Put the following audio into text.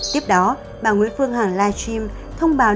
tiếp đó bà nguyễn phương hằng live stream thông báo